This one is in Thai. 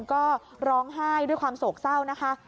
ก็ร้องไห้ด้วยความโศกเศร้านะคะ